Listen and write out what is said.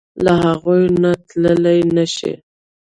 له هغوی نه تللی نشې.